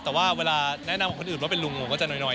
แต่เวลาแนะนำคนอื่นว่าเป็นลุงก็จะหน่อย